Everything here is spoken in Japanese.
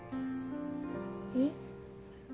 えっ？